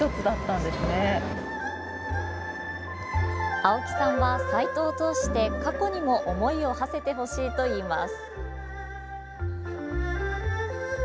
青木さんはサイトを通して過去にも思いをはせてほしいといいます。